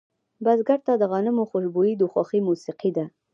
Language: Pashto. بزګر ته د غنمو خوشبويي د خوښې موسیقي ده